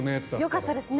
よかったですね